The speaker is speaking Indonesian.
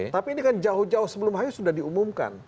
tapi ini kan jauh jauh sebelum hari sudah diumumkan